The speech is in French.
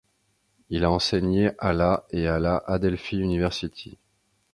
Il a enseigné à la et à la Adelphi University.